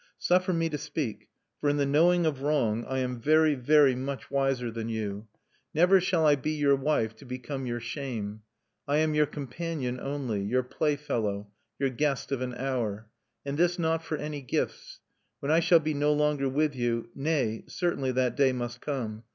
Suffer me to speak; for in the knowing of wrong I am very, very much wiser than you.... Never shall I be your wife to become your shame. I am your companion only, your play fellow, your guest of an hour, and this not for any gifts. When I shall be no longer with you nay! certainly that day must come!